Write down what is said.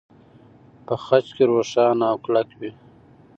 په خج کې روښانه او کلک وي.